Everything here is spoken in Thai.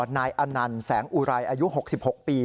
นายอนันต์แสงอุไรอายุ๖๖ปี